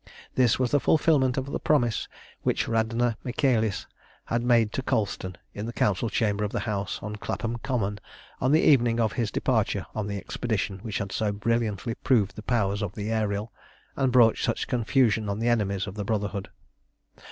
This was the fulfilment of the promise which Radna Michaelis had made to Colston in the Council chamber of the house on Clapham Common on the evening of his departure on the expedition which had so brilliantly proved the powers of the Ariel, and brought such confusion on the enemies of the Brotherhood.